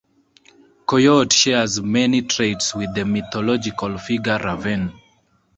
Coyote shares many traits with the mythological figure Raven.